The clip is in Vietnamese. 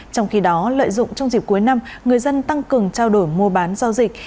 trong khi đó lợi dụng trong dịp cuối năm người dân tăng cường trao đổi mua bán giao dịch